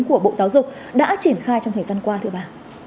của bộ giáo dục đã triển khai trong thời gian qua thưa bà